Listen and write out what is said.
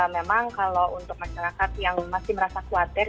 memang kalau untuk masyarakat yang masih merasa khawatir